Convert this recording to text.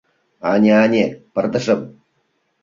Ане-ане, пырдыжым.